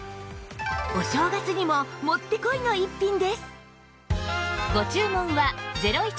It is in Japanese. お正月にももってこいの逸品です